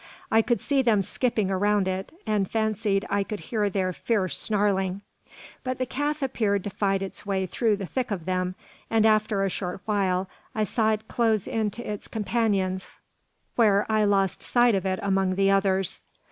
I could see them skipping around it, and fancied I could hear their fierce snarling; but the calf appeared to fight its way through the thick of them; and after a short while, I saw it close in to its companions, where I lost sight of it among the others.